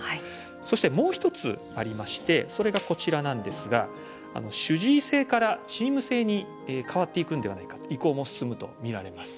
そして、もう１つありましてそれが、こちらなんですが主治医制からチーム制に変わっていくんではないか移行も進むとみられます。